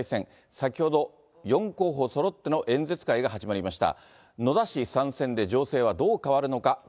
先ほど４候補そろっての演説会が始まりました。